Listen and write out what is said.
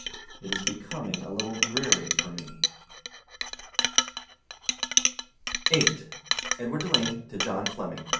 It is becoming a little dreary for me. VIII. EDWARD DELANEY TO JOHN FLEMMING.